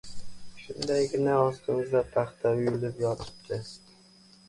Shundaygina ostimizda paxta uyulib yotibdi!